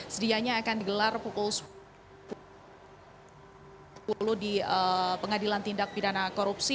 sedianya akan digelar pukul sepuluh di pengadilan tindak pidana korupsi